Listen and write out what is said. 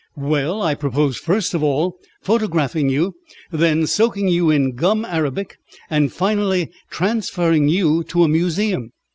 "Well, I propose first of all photographing you, then soaking you in gum arabic, and finally transferring you to a museum."